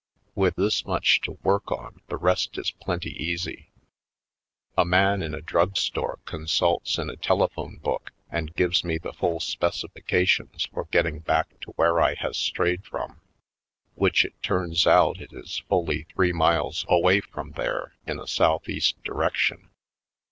With this much to work on, the rest is plenty easy. A man in a drugstore consults in a telephone book and gives me the full specifications for getting back to where I has strayed from, which it turns out it is fully three miles away from there in a southeast direction.